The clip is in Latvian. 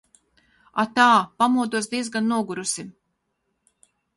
Atā! Pamodos diezgan nogurusi.